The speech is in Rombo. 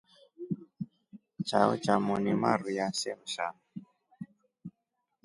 Chao chamo ni maru ya shemsa.